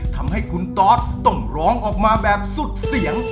ทำให้คุณตอสต้องร้องออกมาแบบสุดเสียง